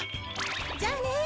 じゃあね！